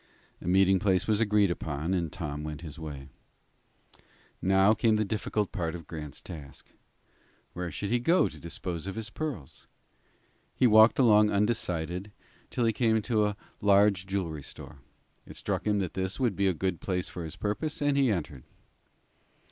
A meeting place was agreed upon, and Tom went his way. Now came the difficult part of Grant's task. Where should he go to dispose of his pearls? He walked along undecided, till he came to a large jewelry store. It struck him that this would be a good place for his purpose, and he entered.